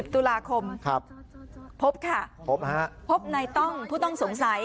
ตุลาคมพบค่ะพบฮะพบในต้องผู้ต้องสงสัย